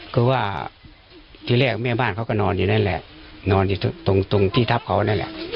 ก็ว่าที่แรกแม่บ้านเขาก็นอนอยู่นั่นแหละนอนอยู่ตรงที่ทับเขานั่นแหละ